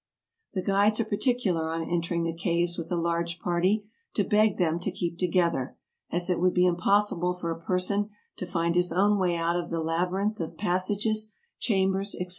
The guides are particular on entering the caves with a large party to beg them to keep together, as it would be impossible for a person to find his own way out of the laby rinth of passages, chambers, etc.